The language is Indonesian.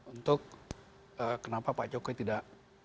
untuk kenapa pak jokowi tidak